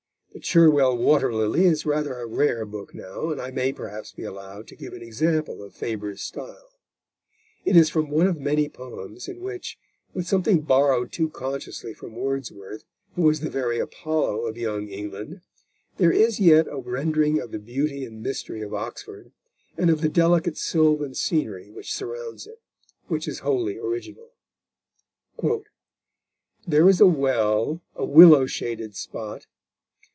The Cherwell Water Lily is rather a rare book now, and I may perhaps be allowed to give an example of Faber's style. It is from one of many poems in which, with something borrowed too consciously from Wordsworth, who was the very Apollo of Young England, there Is yet a rendering of the beauty and mystery of Oxford, and of the delicate sylvan scenery which surrounds it, which is wholly original; _There is a well, a willow shaded spot.